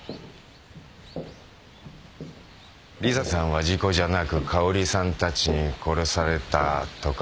リサさんは事故じゃなく香織さんたちに殺されたとか？